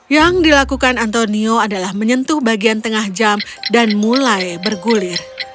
yang dilakukan antonio adalah menyentuh bagian tengah jam dan mulai bergulir